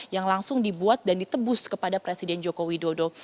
yang langsung dibuat dan ditebus kepada presiden joko widodo